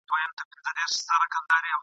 د خپل زړه درزا مي اورم ..